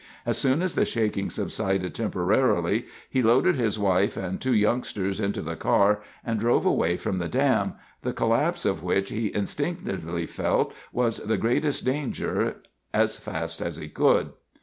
As soon as the shaking subsided temporarily, he loaded his wife and two youngsters into the car and drove away from the dam, the collapse of which he instinctively felt was the greatest danger, as fast as he could.